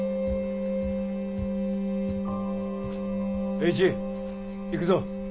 栄一行くぞ。